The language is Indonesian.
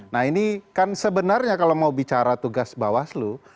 nah ini kan sebenarnya kalau mau bicara tugas bawaslu